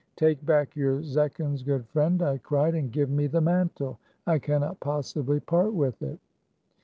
"Take back your zechins, good friend," I cried, " and give me the mantle. I cannot possibly part with it."